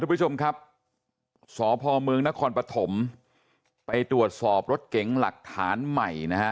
ผู้ชมครับสพเมืองนครปฐมไปตรวจสอบรถเก๋งหลักฐานใหม่นะฮะ